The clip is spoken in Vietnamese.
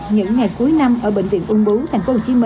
những ngày cuối năm ở bệnh viện u bốn tp hcm